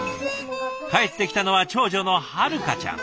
帰ってきたのは長女の榛香ちゃん。